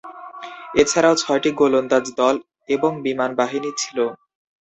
এছাড়াও ছয়টি গোলন্দাজ দল এবং বিমান বাহিনী ছিল।